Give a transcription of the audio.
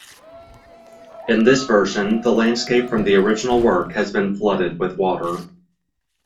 In this version, the landscape from the original work has been flooded with water.